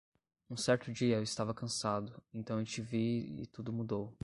Um certo dia eu estava cansado, então eu te vi e tudo mudou